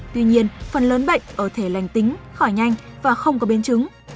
tuy nhiên phần lớn bệnh ở thể lành tính khỏi nhanh và không có biến chứng